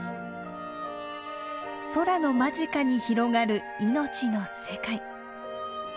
空の間近に広がる命の世界。